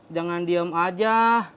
jangan diem aja